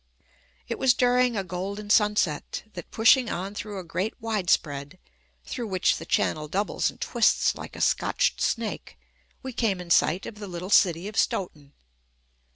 It was during a golden sunset that, pushing on through a great widespread, through which the channel doubles and twists like a scotched snake, we came in sight of the little city of Stoughton.